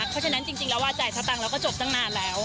เพราะฉะนั้นจริงแล้วว่าจ่ายสตังค์เราก็จบตั้งนานแล้ว